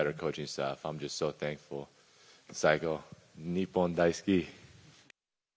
日本大好き！